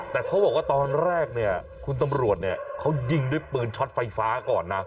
แต่เขาบอกว่าตอนแรกเนี่ยคุณตำรวจเนี่ยเขายิงด้วยปืนช็อตไฟฟ้าก่อนนะ